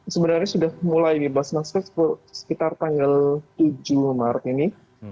sebenarnya sudah mulai bebas masker sekitar tanggal tujuh maret ini